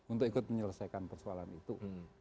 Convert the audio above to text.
untuk ikut menyelesaikan persoalan itu